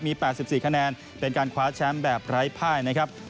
มี๘๔คะแนนเป็นการคว้าแชมป์แบบไร้ภายนะครับ